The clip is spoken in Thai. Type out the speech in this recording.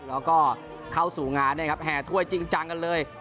แล้วก็เข้าสู่งานนะครับแห่ถ้วยจริงจังกันเลย